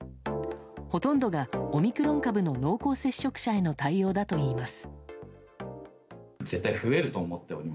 ほとんどがオミクロン株の濃厚接触者への対応だといいます。